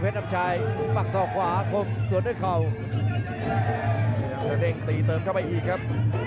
เพชรน้ำชายกระแทกพยายามจะตัดลบแตกกันครับ